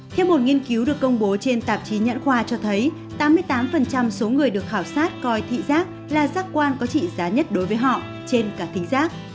theo một nghiên cứu được công bố trên tạp chí nhãn khoa cho thấy tám mươi tám số người được khảo sát coi thị giác là giác quan có trị giá nhất đối với họ trên cả kính giác